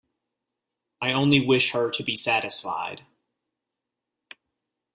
I only wish her to be satisfied.